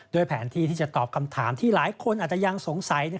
แผนที่ที่จะตอบคำถามที่หลายคนอาจจะยังสงสัย